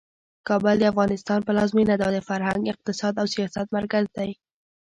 کابل د افغانستان پلازمینه ده او د فرهنګ، اقتصاد او سیاست مرکز دی.